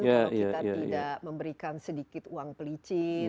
kalau kita tidak memberikan sedikit uang pelicin